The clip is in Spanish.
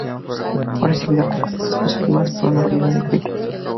Fue recibida con críticas positivas por una variedad de críticos.